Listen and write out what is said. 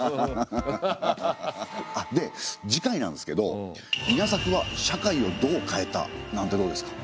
あっで次回なんすけど「稲作は社会をどう変えた？」なんてどうですか？